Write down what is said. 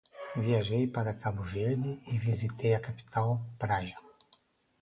Viajei para Cabo Verde e visitei a capital, Praia.